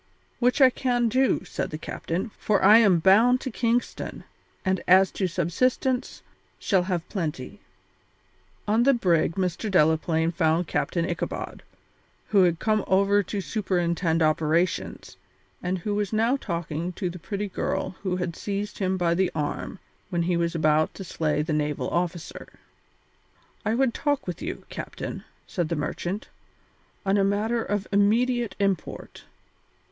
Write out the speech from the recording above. "Which I can do," said the captain, "for I am bound to Kingston; and as to subsistence, shall have plenty." On the brig Mr. Delaplaine found Captain Ichabod, who had come over to superintend operations, and who was now talking to the pretty girl who had seized him by the arm when he was about to slay the naval officer. "I would talk with you, captain," said the merchant, "on a matter of immediate import."